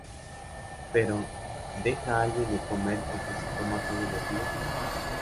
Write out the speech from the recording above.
Pero ¿deja alguien de comer porque se coma todos los días?